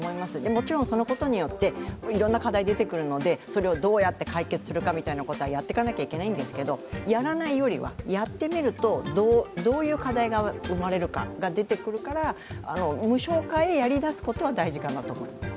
もちろんそのことによっていろんな課題出てくるのでそれをどうやって解決するかみたいなことはやっていかなければいけないんですけどやらないよりは、やってみると、どういう課題が生まれるかが出てくるから無償化へやり出すことは大事かなと思います。